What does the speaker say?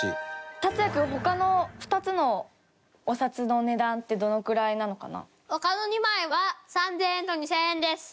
達哉君他の２つのお札の値段ってどのくらいなのかな？